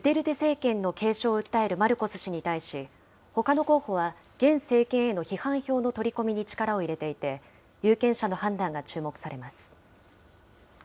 ドゥテルテ政権の継承を訴えるマルコス氏に対し、ほかの候補は現政権への批判票の取り込みに力を入れていて、有権者の判断が注目されます。